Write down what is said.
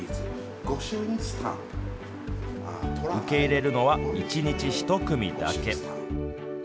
受け入れるのは１日１組だけ。